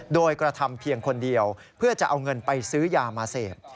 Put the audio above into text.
โดยกระทำเพียงคนเดียวเพื่อจะเอาเงินไปซื้อยามาเสพ